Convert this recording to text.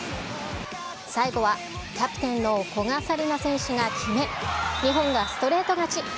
最後はキャプテンの古賀紗理那選手が決め、日本がストレート勝ち。